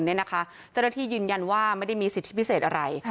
เจ้าหน้าที่ยืนยันว่าไม่ได้มีสิทธิพิเศษอะไร